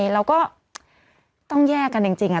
เราก็ต้องแยกกันจริง